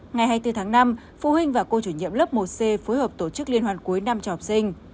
ngày hai mươi bốn tháng năm phụ huynh và cô chủ nhiệm lớp một c phối hợp tổ chức liên hoàn cuối năm cho học sinh